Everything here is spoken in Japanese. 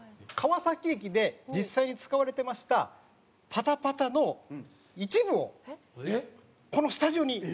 川崎駅で実際に使われてましたパタパタの一部をこのスタジオに。